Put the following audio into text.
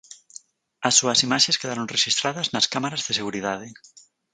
As súas imaxes quedaron rexistradas nas cámaras de seguridade.